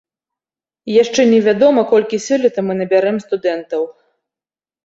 Яшчэ невядома, колькі сёлета мы набярэм студэнтаў.